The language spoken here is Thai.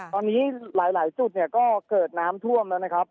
ตอนนี้หลายจุดเนี่ยก็เกิดน้ำท่วมแล้วนะครับ